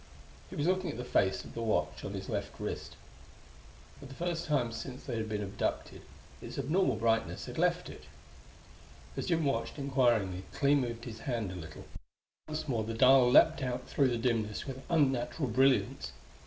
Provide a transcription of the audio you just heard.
He was looking at the face of the watch on his left wrist. For the first time since they had been abducted, its abnormal brightness had left it. As Jim watched, inquiringly, Clee moved his right hand a little, and once more the dial leaped out through the dimness with unnatural brilliance.